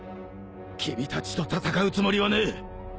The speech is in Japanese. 君たちと戦うつもりはねえ。